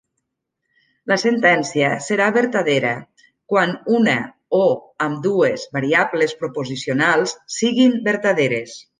La sentència serà vertadera quan una o ambdues variables proposicionals siguin vertaderes.